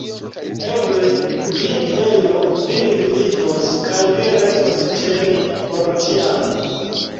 Eble, Dia beno vin vizitos, kaj vi restos ĉe ni por ĉiam!